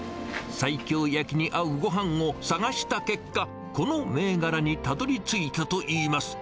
西京焼きに合うごはんを探した結果、この銘柄にたどりついたといいます。